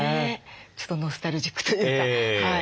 ちょっとノスタルジックというか。